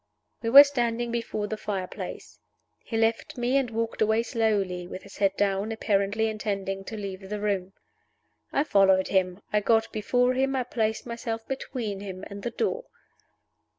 We were standing before the fire place. He left me, and walked away slowly with his head down, apparently intending to leave the room. I followed him I got before him I placed myself between him and the door.